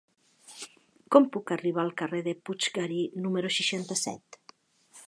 Com puc arribar al carrer de Puiggarí número seixanta-set?